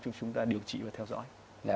chúng ta điều trị và theo dõi